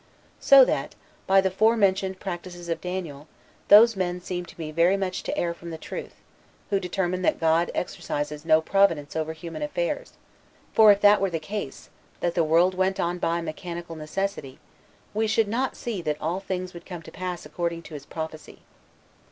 So that, by the forementioned predictions of Daniel, those men seem to me very much to err from the truth, who determine that God exercises no providence over human affairs; for if that were the case, that the world went on by mechanical necessity, we should not see that all things would come to pass according to his prophecy.